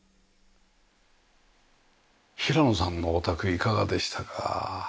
平野さんのお宅いかがでしたか？